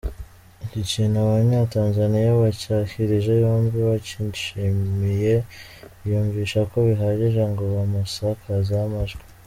Iki kintu Abanyatanzaniya bacyakirije yombi bakishimiye, biyumvisha ko gihagije ngo bamusakazeho amajwi.